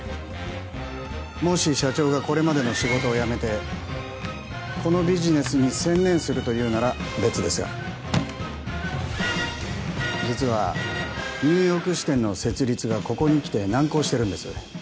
もし社長がこれまでの仕事をやめてこのビジネスに専念するというなら別ですが実はニューヨーク支店の設立がここにきて難航してるんです